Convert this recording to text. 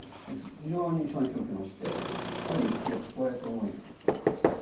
非常に衝撃を受けましてある意味心を救われた思いがしたと。